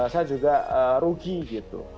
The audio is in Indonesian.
saya juga rugi gitu